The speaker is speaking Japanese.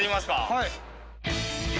はい。